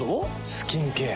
スキンケア。